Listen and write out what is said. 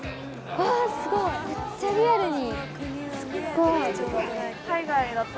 すごいめっちゃリアルに。